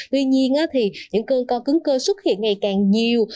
tuy nhiên thì những cơn co cứng cơ xuất hiện ngày càng nhiều